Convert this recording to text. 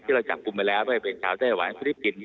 ที่เราจับกลุ่มไปแล้วไม่ว่าจะเป็นชาวเจ้าหวันฟิลิปปินส์